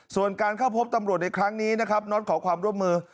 ส่วนการเข้าพบตำรวจในครั้งนี้นะครับน็อตขอความร่วมมือ